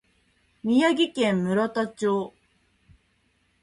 宮城県村田町